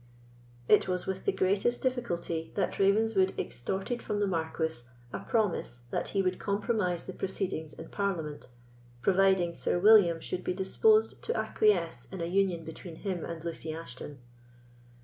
It was with the greatest difficulty that Ravenswood extorted from the Marquis a promise that he would compromise the proceedings in Parliament, providing Sir William should be disposed to acquiesce in a union between him and Lucy Ashton.